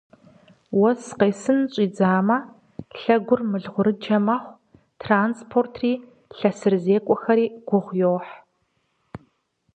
Уэс къесын щӀидзамэ, гъуэгур мылгъурыджэ мэхъу, транспортри лъэсырызекӀуэхэри гугъу йохь.